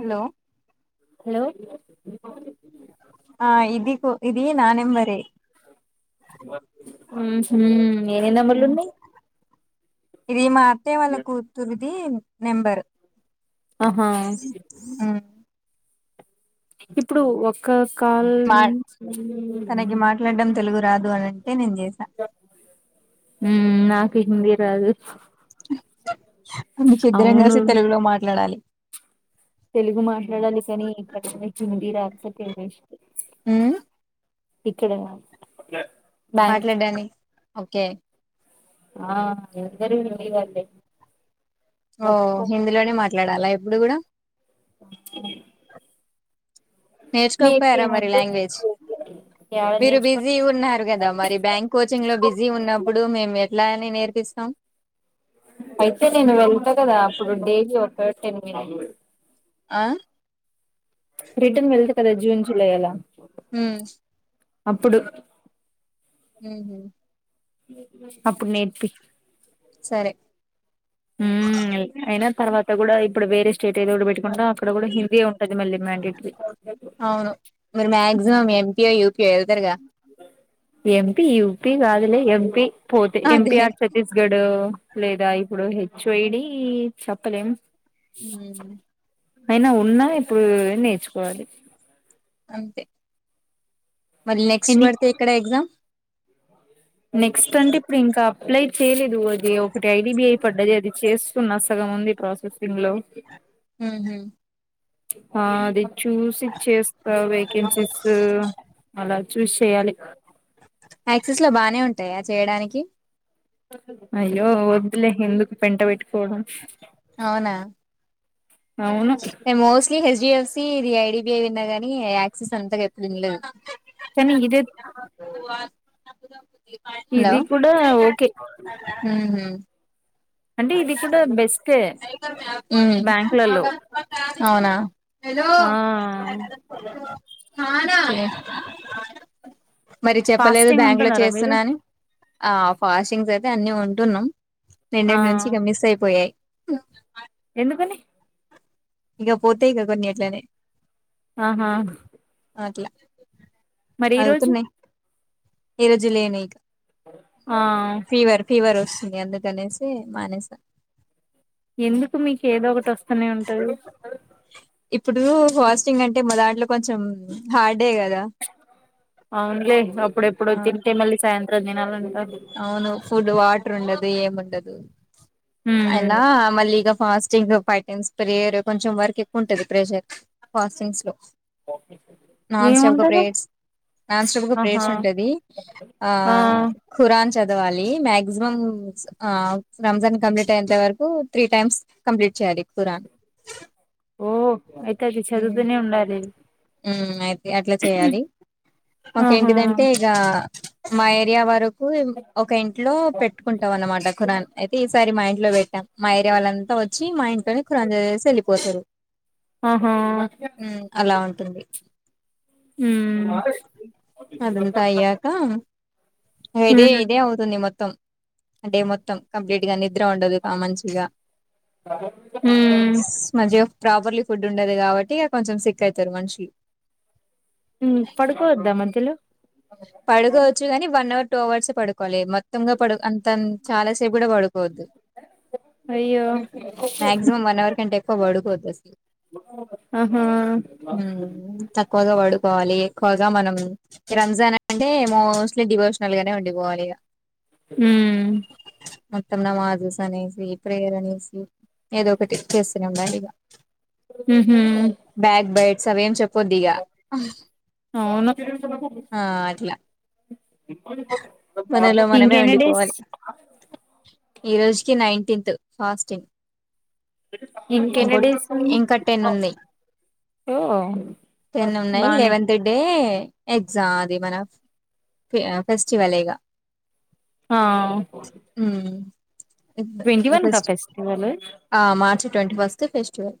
Hello hello ఆ ఇదికు ఇది నా నెంబర ఆహు ఇది మా అత్తయ వాళ్ళ కూతురుది నెంబరు ఆహా హ్మ్మ్ ఇప్పుడు ఒక కాల్ మా ను తనకి మాట్లాడడం తెలుగు రాదు అని అంటే నేను చేసా ఉ నాకు హిందీరాదు అందుకే ఇద్దరం కలిసి తెలుగులో మాట్లాడాలి తెలుగు మాట్లాడాలి కానీ ఇక్కడ హిందీ రాకపోతే ఇంగ్లీషు హ్మ్మ్ ఇక్కడనా మాట్లాడ్డాని ఓకే ఆ అందరూ హిందీ వల్లే ఓ హిందీలోనే మాట్లాడాలా ఇప్పుడు కూడా నేర్చుకోకపోయారా మరి నేర్పియమంటే లాంగ్వేజ్ నేర్పియట్లేదు. యాడ మీరు నేర్చుకుని బిజీ ఉన్నారు కదా మరి బ్యాంక్ కోచింగ్ లో బిజీ ఉన్నప్పుడు మేము ఎట్లా నే నేర్పిస్తాం అయితే నేను వెళ్తా కదా అప్పుడు డైలీ ఒక టెన్ మినిట్ ఆ రీటర్న్ వెళ్త కదా జూన్ జులై అలా హ్మ్మ్ అప్పుడు హ్మ్మ్ అప్పుడు నేర్పి సరే హుమ్మ్ అయినా తర్వాత కూడా ఇప్పుడు వేరే స్టేట్ ఏదో కూడా పెట్టుకుంటో అక్కడ కూడా హిందీ ఉంటది మళ్ళీ మ్యాండేటరీ అవును మీరు మాక్సిమం ఎంపీఓ యూపియో వెళ్తారుగా ఎంపీ యూపీ కాదులే ఎంపీ పోతే ఎంపీ అదే ఆ ఛత్తీస్గడ్ లేదా ఇప్పుడు హెచ్ వై డి చెప్పలేం హుమ్మ్ అయినా ఉన్నా ఇప్పుడు నేర్చుకోవాలి అంతే మళ్ళీ నెక్స్ట్ ఎన్ని పడితే ఏక్కడ ఎగ్జామ్ నెక్స్ట్ అంటే ఇప్పుడు ఇంకా అప్లై చేయలేదు అది ఒకటి ఐడిబి అయి పడ్డది అది చే నా సగం ఉంది ప్రాసెసింగ్ లో హుమ్మ్ ఆ అది చూసి చేస్తా వేకెన్సీస్ అలా చూష్ చేయాలి యాక్సిస్ లో బానే ఉంటాయా చేయడానికి అయ్యో వద్దులే ఎందుకు పెంట పెట్టుకోడం అవునా అవును మోస్ట్లీ హెచ్డీఎఫ్సి ఇది ఐడిబిఐ విన్నా ని యాక్సిస్ అంతా ఎ వినలేదు కని ఇది హలో ఇది కూడా ఓకే ఉహు అంటే ఇది కూడా బెస్టే హ్మ్మ్ బ్యాంకులలో అవునా హలో ఆ హానా మరి చెప్పలేదు ఫాస్టింగ్ బ్యాంక్ లో ఉంటున్నారా మీరు చేస్తున్నా అని ఆ ఫాస్టింగ్స్ అయితే అన్ని ఉంటున్నాం ఆ నిన్నటి నుంచి ఇగా మిస్ అయిపోయాయి ఎందుకని ఇంక పోతే ఇక కొన్ని ఆట్లనే ఆహా అట్లా మరి ఈ రోజు అవుతున్నాయి ఈ రోజ్ లే మేక్ ఆ అందుకనేసి మానేస ఎందుకు మీకేదో ఒకటి వస్తనే ఉంటది ఇప్పుడు ఫాస్టింగ్ అంటే మా దాంట్లో కొంచెం హార్డ్ అవునులే అప్పుడెప్పుడో ఆ తింటే మళ్ళీ సాయంత్రం తినాలంటే అవును ఫుడ్ వాటర్ ఉండదు ఏముండదు ఉమ్ ఐనా మల్లిగా ఫాస్ ఫాస్టింగ్ ఫైవ్ టైమ్స్ ప్రేయర్ కొంచెం వర్క్ ఎక్కువ ఉంటుంది ప్రెషర్ ఫాస్టింగ్స్ లో ఏముంటది నానస్టాప్ గ ఆహా ప్రేయర్స్ ఉంటది ఆ ఖురాన్ చదవాలి మాక్సిమం ఆ రంజాన్ కంప్లీట్ అయ్యేంతవరకు వరకు త్రీ టైమ్స్ కంప్లీట్ చేయాలి కురాన్ ఓ అయితే అది చదువుతూనే ఉండాలి హ్మ్ అయితే అట్ల చేయాలి ఆహా మాకేంటిదంటే ఇగ మా ఏరియా వరు కు ఒక ఇంట్లో పెట్టుకుంటాం అనమాట కురాన్ అయితే ఈసారి మా ఇంట్లో పెట్టాం మా ఏర్యా వాళ్ళంతా వచ్చి మా ఇంట్లోని కఖురాన్ చదివేసి వెళ్లిపోతారు ఆహా హ్మ్ అలా ఉంటుంది ఉమ్ అదంత అయ్యాకా ఇదే ఇదే అవుతుంది మొత్తం డే మొత్తం కంప్లీట్ గా ని నిద్ర ఉండదు కా మంచిగా ఉమ్ స్ మంచిగా ప్రాపర్లీ ఫుడ్ ఫుడ్ ఉండదు కాబట్టి ఇక కొంచెం సిక్ అయితారు మనుషులు హ్మ్ పడుకోవద్ద మధ్యలో పడుకోవచ్చు కాని వన్ అవర్ టూ అవర్స్ పడుకోచ్చు కొలి మొత్తంగా పడు అంత చాలాసేపు కూడా పడుకోవద్దు అయ్యో మాక్సిమం వన్ అవర్ కంటే ఎక్కువ పడుకోవద్దు అసలు ఆహా హ్మ్ తక్కువగా పడుకోవాలి ఎక్కువగా మనం రంజాన్ అంటే మోస్ట్లీ డివోషనల్ గానే ఉండిపోవాలి ఇగ హ్మ్ మొత్తం నమాజుస్ అనేసి ప్రేయర్ అనేసి ఏదో ఒకటి చేస్తూనే ఉండాలి ఇగ ఉహు బ్యాక్ బైట్స్ అవేం చెప్పొద్ది ఇగ అవును ట్ల మనలో మనమే ఇంకెన్ని డేస్ ఉండిపోవాలి ఈ రోజుకి నైన్ టింత్ ఫాస్టింగ్ ఇంకో ఇంకెన్ని డేస్ ఉంది ఇంకా టెన్ ఉన్నయ్ ఓ టెన్ ఉన్నయ్ బానే లెవెంత్ డే ఎగ్జా అది మన ఆ ఫెస్టివలే ఇగ ఆ హ్మ్ ట్వంటీ వన్ కా [unintelligible] ఫెస్టివల్ ఆ మార్చ్ ట్వంటీ ఫస్ట్ ఫెస్టివల్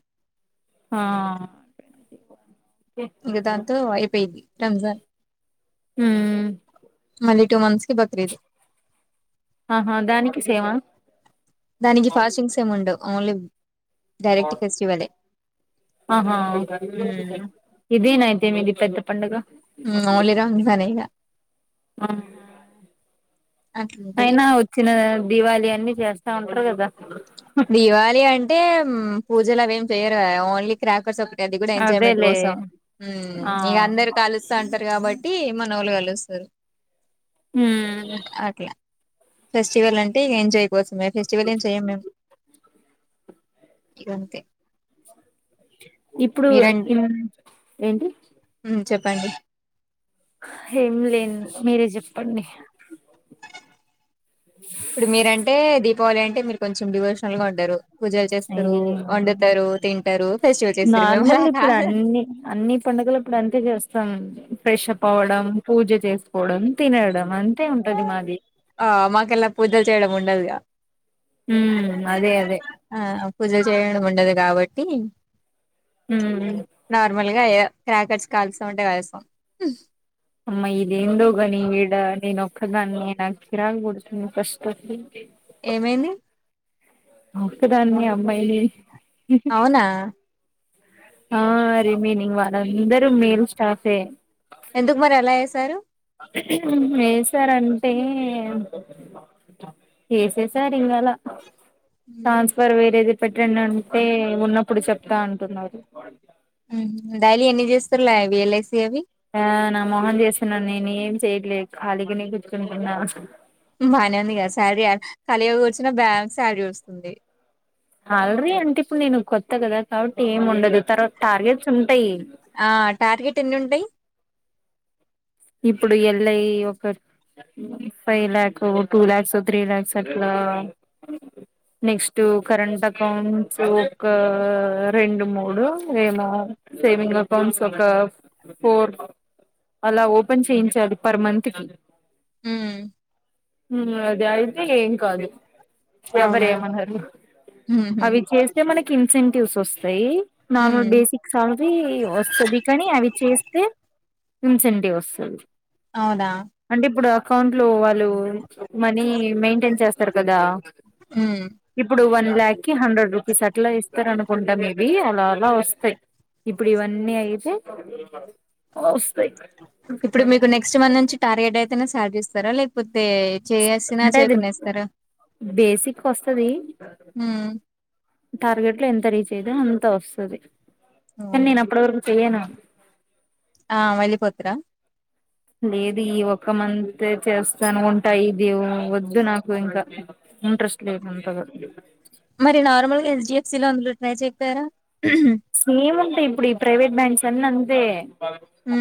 ఆ ఇంక దాంతో అయిపోయింది రంజాన్ హ్మ్ మళ్లీ టూ మంత్స్ కి బక్రీద్ ఆహా దానికి సేమ దానికి ఫాస్టింగ్స్ ఏమి ఉండవు, ఓన్లీ డైరెక్ట్ ఫెస్టివలే ఆహా ఇదేనా దేమీది పెద్ద పండగ ఉమ్ ఓన్లీ రంజానే ఇగ ఆ అట్లుంటది అయినా వచ్చిన దివాళి అన్ని చేస్త స్త ఉంటారు కదా ఉహ్ టే మ్ పూజలవేమి చేయరు కదా ఓన్లీ క్రాకర్స్ ఒక అది గూడా ఎంజాయ్మెంట్ అదేలే కోసం హ్మ్ ఆ ఇంగ అందరు కాలుస్తాంటార్ కాబట్టి మనోళ్ళు గాలుస్తారు ఊమ్ ఫెస్టివల్ అంటే ఇగ ఎంజాయ్ కోసమే ఫెస్టివల్ ఏం చెయ్యమ్ మేమ్ ఇగంతే ఇప్పుడు ఇం ఏంటి పండి ఏం లేన్ మీరే జెప్పండి ఇప్పుడు మీరంటే దీపావళి అంటే మీరు కొంచెం డివోషనల్ గా ఉంటారు పూజలు చేస్తారు, వండుతారు, తింటారు ఫెస్టివల్ చేస్తారు, మేము అలా కాదండ్ పండగలప్పుడు అంతే జేస్తాం అండి ఫ్రెష్షప్ అవ్వడం పూజ చేసుకోవడం తినడం అం ఆ మాకల్ల పూజలు చేయడం ఉండదిగ హ్మ్ అదే అదే ఆ పూజలు చేయడం ఉండదు గాబట్టి ఊమ్ ఇంగా ఏదో క్రాకర్స్ కాలుస్తామంటే కాలుస్తాం అమ్మ ఇదేందో గాని ఈడ నేనొక్ క్కదాన్నే నాక్ చిరాక్ గొడుతుంది ఫస్టు కి ఏమైంది ఒక్కదాన్నే అమ్మాయిని అవునా ఆ రిమైనింగ్ వాళ్లందరూ మేల్ స్టాఫే ఎందుకు మరి అలా వేసారు ఏసారంటే ఎసేసారింగలా ట్రాన్స్ఫర్ వేరేది పెట్టండి అంటే ఉన్నప్పుడు సెప్తా అంటున్నారు ఊహు డైలీ ఎన్ని చేస్తారులే అవి ఎల్ఐసి అవి ఆ నా మోహమ్ చేస్తన్నా నేనేమ్ చేయట్లేద్ ఖాళీగనే గుర్చుంటున్నా బానేఉంది గా శారీ యా కాలిగగుర్చున్న బ్యాంక్ శాలరీ వస్తుంది హాలరి అంటే ఇప్పుడు నేను కొత్త గదా కాబట్టి ఏం ఉండదు తర్వాత టార్గెట్స్ ఉంటయ్ ఆ టార్గెట్ ఎన్నుంటాయ్ ఇప్పుడు ఎల్లై ఒక five lakh two lakhs three lakhs అట్లా [inaudible] నెక్స్టుకరెంట్ అకౌంట్సు ఒక రెండు మూడో ఏమో సేవింగ్ అకౌంట్స్ ఒక ఫోర్ అలా ఓ పన్ చేయించాలి పర్ మంతు కి ఉ హు అది అయితే ఏం కాదు ఎవర అవునా ఏమనరు ఉహు అవి చేస్తే మనకి ఇన్సెంటివ్స్ వస్తయి ఉమ్ నార్మల్ బేసిక్ సాలరీ వస్తది కానీ అవి చేస్తే ఇన్సంటివ్ వస్ అవునా అకౌంట్ లో వాళ్ళు మనీ మెయింటైన్ చేస్తారు కదా ఉమ్ ఇబ్బుడు వన్ ల్యాక్ కి హండ్రెడ్ రూ ఫీస్ అట్ల ఇస్తరనుకుంటా మేబి అలా అలా వస్తాయ్ ఇబ్బుడు ఇవన్నీ అయితే వస్తాయ్ ఇప్పుడు మీకు నెక్స్ట్ మన్ నుంచి టార్గెట్ అయితేనే శాలరీ ఇస్తారా లేకపో తే చేసినా అంటే అది చేయకున్య ఇస్తరా బేసిక్ వస్తది టార్గెట్ లో ఎంత రీచ్ అయితదొ అంత వస్తది కానీ అవును నేను అప్పటి వరకు చెయ్యను ఆ వెళ్లిపోతురా లేదు ఈ ఒక్క మంత చేస్తాను ఉంటాయి ఇది వద్దు నాకు ఇంకా ఇంట్రెస్ట్ లే ఉంటంది సిలు అందులు ట్రై చేయక పోయారా సేమ్ ఉంటాయి ఇప్పుడు ఈ ప్రైవేట్ బ్యాంక్స్ అన్న అంతే హ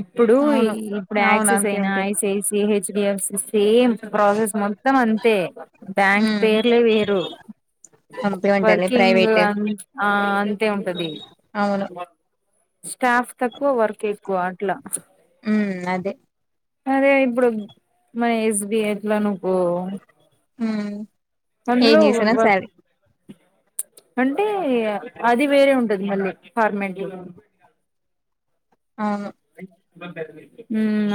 ఇప్పుడు ఇప్పుడు అవును యాక్సెస్ అంతే అయినా అంతే ఐసఐసి హెచ్డిఎఫ్ సేమ్ ప్రాసెస్ మొత్తం అంతే బ్యాంక్ పేర్లే వేరు కంపె ఉంటారుని వర్కింగ్ ప్రైవేట్ ఆ అంతే ఉంటది అవును స్టాఫ్ తక్కువ వర్క్ ఎక్కువ అట్లా హ్మ్ అదే అదే ఇప్పుడు మన ఎస్బిఐట్లా నువకో హ ఏం చేసినా సరే అంటే అది వేరే ఉంటది మళ్ళీ ఫార్మాట్ ఆ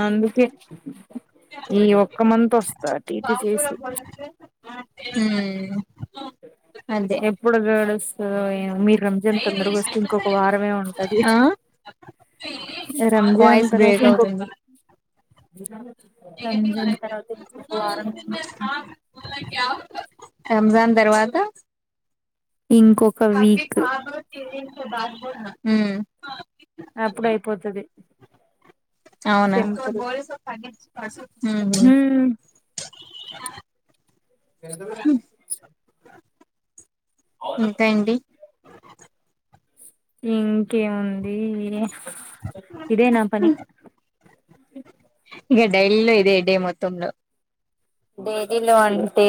అందుకే ఈ ఒక్క మంత్ వస్తా టీటీ అ చేసి [inaudible] ఎప్పుడు గడుస్తుందో మీ రంజన్ తొందరగా ఇంకొక వారమే ఉంటది ఆ రంజాన్ వాయిస్ తర్వాత బ్రేక్ అవుతుంది రంజన్ తర్వాత వారం రంజాన్ తర్వాత ఇంకొక వీక్ [inaudible] అప్పుడు అయిపోతుది అవునా ఉ హ్మ్ ఇంకా అండి ఇంకేముంది అదీ ఇదే నా పని ఇంకా డైల్ లో ఇదే డే మొత్తంలో డైరీలో అంటే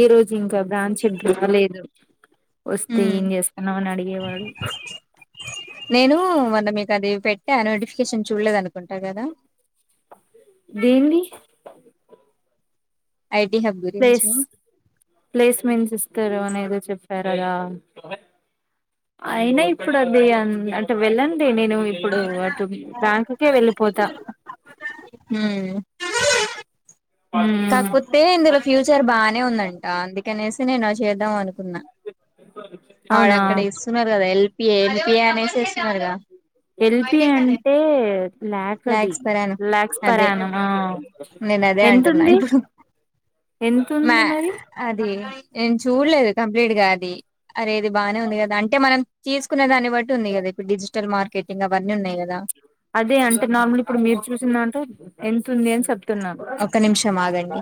ఈ రోజు ఇంకా బ్రాంచ రాలాలేదు వస్తే హ్మ్ ఏం చేస్తున్నావు అని అడిగేవాడు టా నోటిఫికేషన్ చూడలేదు అనుకుంటా కదా దేనిది ఐటీ హబ్ గురించి ప్లేస్ ప్లాస్మెంట్ ఇస్తారు అని ఏదో చెప్త చెప్పారు కాద అయినా ఇప్పుడు అది అంటే వెళ్ళండి నేను ఇప్పుడు బ్యాంకుకే వెళ్ళిపోతా హ్మ్ మ్మ్ కాకపోతే ఇందులో ఫ్యూచర్ బాగానే ఉందంట అందుకనేసి నేను చే చేద్దాం అనుకున్నా వాడ అవునా అక్కడ ఇస్తున్నారు కదా ఎ ఎల్పి అనేసిస్తున్నారుగా ఎల్పి అంటే లాక్ అది lakhs per annum lakhs per ఆనిమో నేదే అంటున్నా ఇప్పుడు మ ఎంతుంది మరి అది ఎ చూడలేదు కంప్లీట్ గా అది అరే ఇది బాగానే ఉంది కదా అంటే మనం తీసుకునే దాన్ని బట్టి ఉంది కదా ఇప్పు డిజిటల్ మార్కెటింగ్ అవన్నీ ఉన్నాయి కదా అదే అంటే నార్మల్ ఇప్పుడు మీరు చూసంద అంటే ఎ అని చెప్తున్నా ఒక్క నిమిషం ఆగండి